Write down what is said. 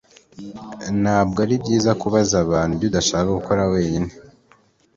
ntabwo ari byiza kubaza abandi ibyo udashaka gukora wenyine